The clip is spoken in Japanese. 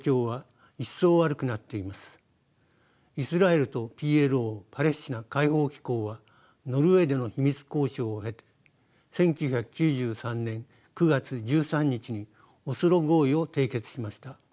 イスラエルとＰＬＯパレスチナ解放機構はノルウェーでの秘密交渉を経て１９９３年９月１３日にオスロ合意を締結しました。